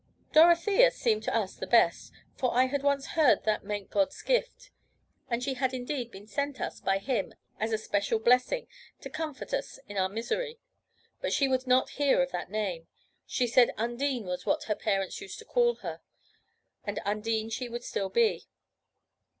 Dorothea seemed to us the best; for I had once heard that meant God's gift; and she had indeed been sent us by Him as a special blessing, to comfort us in our misery. But she would not hear of that name. She said Undine was what her parents used to call her, and Undine she would still be.